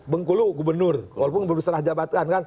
bengkulu gubernur walaupun berusaha jabatan